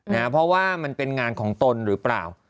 เพราะว่ามันเป็นงานของตนหรือเปล่า